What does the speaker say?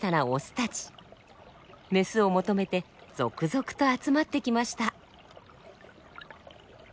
メスを求めて続々と集まってきました。